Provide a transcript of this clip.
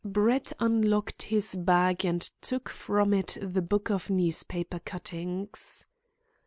Brett unlocked his bag and took from it the book of newspaper cuttings.